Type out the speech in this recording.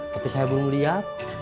tapi saya belum lihat